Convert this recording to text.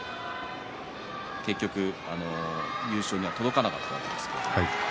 結局、優勝には届かなかったですね。